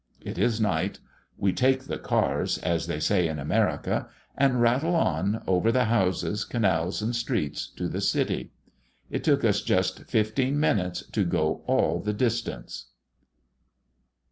It is night. We "take the cars," as they say in America, and rattle on, over the houses, canals, and streets, to the City. It took us just fifteen minutes to go all the distance.